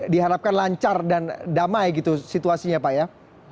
diharapkan lancar dan damai gitu situasinya pak ya